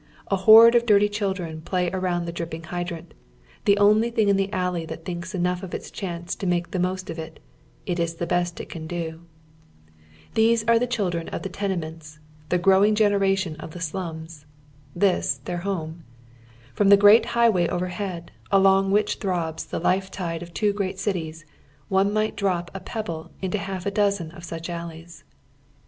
A horde of duty children play about the dripping liy drant, the only thing in the alley that thinks enough of its chance tu make the moht of it it in the 1 ett it ciii k These are the children of the tenement , the giowirij; i;enerition f the slumi, this their lurne iiom the great highway overhead, along which throbs the life tide of oy Google THE DOWN TOWN BACK ALLEYS. 31 two great cities, one might drop a pebble into Iialf a dozen Bueb alleys.